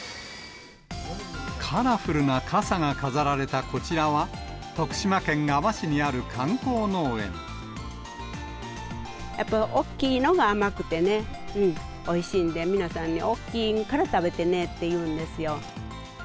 カラフルな傘が飾られたこちらは、大きいのが甘くてね、おいしいんで、皆さんに大きいのから食べてねって言うんですよ。